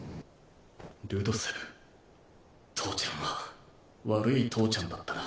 ルドセブ父ちゃんは悪い父ちゃんだったな。